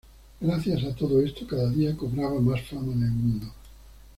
Gracias a todo esto, cada día cobraba más fama en el mundo.